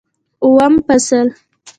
اووم فصل